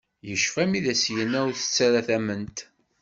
Yecfa mi i d as-yenna ur tett ala s tamment.